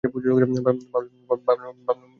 ভাবলাম, বেশ, সে নিশ্চয়ই মেরি নামে কাউকে চেনে।